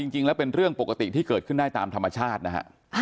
จริงแล้วเป็นเรื่องปกติที่เกิดขึ้นได้ตามธรรมชาตินะฮะ